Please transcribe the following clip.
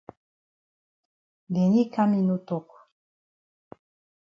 Den yi kam yi no tok.